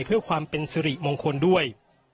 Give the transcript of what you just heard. เพื่อความเป็นสิริมงคลด้วย